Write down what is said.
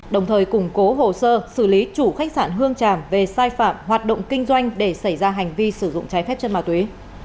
đồng thời củng cố hồ sơ xử lý chủ khách sạn hương tràm về sai phạm hoạt động kinh doanh để xảy ra hành vi sử dụng trái phép chất ma túy